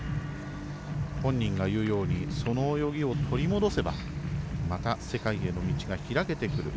本人が言うようにその泳ぎを取り戻せばまた世界への道が開けてくる。